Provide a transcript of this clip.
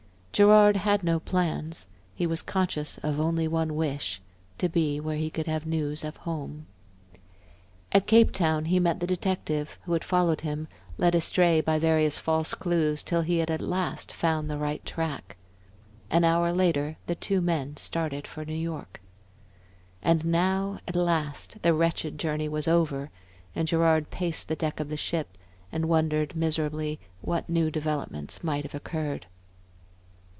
Gerard had no plans; he was conscious of only one wish to be where he could have news of home. At Cape Town he met the detective, who had followed him, led astray by various false clues, till he had at last found the right track. An hour later the two men started for New York. And now at last the wretched journey was over, and Gerard paced the deck of the ship and wondered miserably what new developments might have occurred.